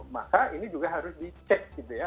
maka ini juga harus dicek gitu ya